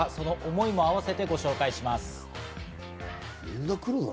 その思いも合わせてご紹介します。